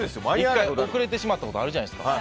１回遅れてしまったことあるじゃないですか。